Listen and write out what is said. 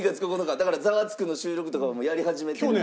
だから『ザワつく！』の収録とかもやり始めたぐらいの。